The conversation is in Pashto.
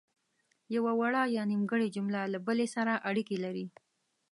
یوه وړه یا نیمګړې جمله له بلې سره اړیکې لري.